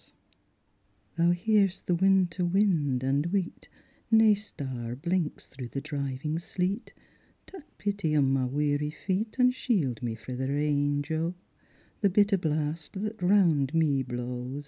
•* !rhou hear'st the winter wind and weet, Nae star blinks throui^li the driving sleet J Tak' pity on my weary feet, And shield me frae the rain, jo. The bitter blast that round me blawB